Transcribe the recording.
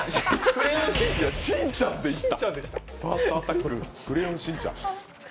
「クレヨンしんちゃん」のしんちゃんでいった。